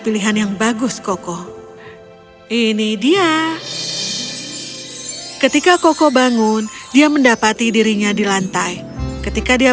pilihan yang bagus koko ini dia ketika koko bangun dia mendapati dirinya di lantai ketika dia